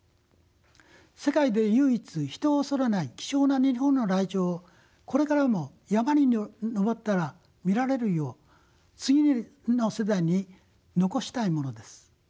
世界で唯一人を恐れない貴重な日本のライチョウをこれからも山に登ったら見られるよう次の世代に残したいものです。